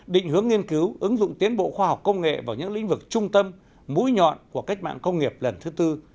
định hướng nghiên cứu ứng dụng tiến bộ khoa học công nghệ vào những lĩnh vực trung tâm mũi nhọn của cách mạng công nghiệp lần thứ tư